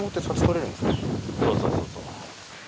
そうそうそうそう。